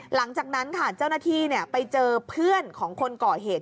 หลังจากนั้นค่ะเจ้าหน้าที่ไปเจอเพื่อนของคนก่อเหตุ